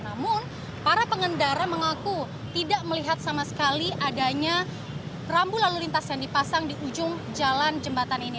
namun para pengendara mengaku tidak melihat sama sekali adanya rambu lalu lintas yang dipasang di ujung jalan jembatan ini